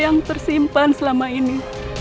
yang tersimpan selama ini